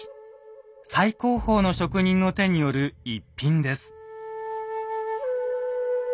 最高峰の職人の手による逸品です。